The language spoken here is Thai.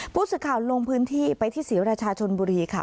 ผู้สื่อข่าวลงพื้นที่ไปที่ศรีราชาชนบุรีค่ะ